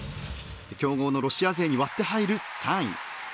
強豪のロシア勢に割って入る３位。